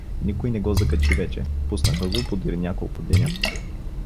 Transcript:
Никой не го закачи вече, пуснаха го подир няколко деня.